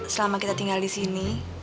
selama kita tinggal disini